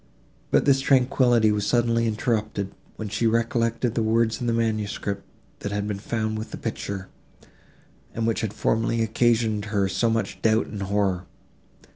But this tranquillity was suddenly interrupted, when she recollected the words in the manuscript, that had been found with this picture, and which had formerly occasioned her so much doubt and horror.